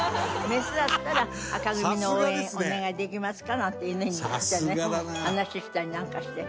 「メスだったら紅組の応援お願いできますか？」なんて犬に言ってね話したりなんかして。